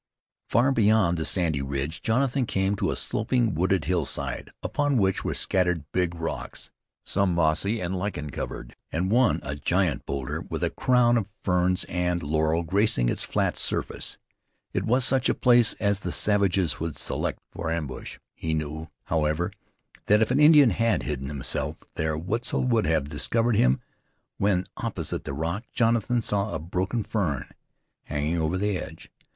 Far beyond the sandy ridge Jonathan came to a sloping, wooded hillside, upon which were scattered big rocks, some mossy and lichen covered, and one, a giant boulder, with a crown of ferns and laurel gracing its flat surface. It was such a place as the savages would select for ambush. He knew, however, that if an Indian had hidden himself there Wetzel would have discovered him. When opposite the rock Jonathan saw a broken fern hanging over the edge.